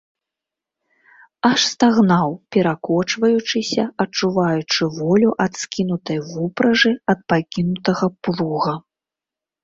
Аж стагнаў, перакочваючыся, адчуваючы волю ад скінутай вупражы, ад пакінутага плуга.